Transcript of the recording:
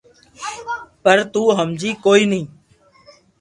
پر تو ھمجي ڪوئي ني